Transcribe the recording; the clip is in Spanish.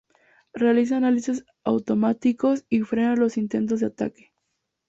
Realiza análisis automáticos y frena los intentos de ataque.